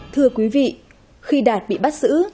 thưa quý vị khi đạt bị bắt giữ